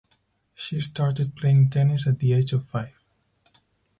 She started playing tennis at the age of five.